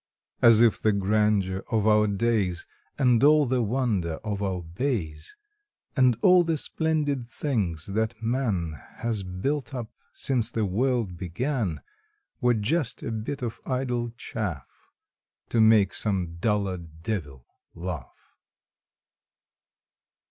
As if the grandeur of our days, And all the wonder of our bays, February Eighteenth And all the splendid things that Man Has built up since the World began Were just a bit of idle chaff To make some dullard Devil laugh!